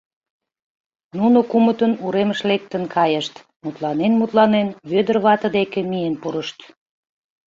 Нуно кумытын уремыш лектын кайышт, мутланен-мутланен, Вӧдыр вате деке миен пурышт.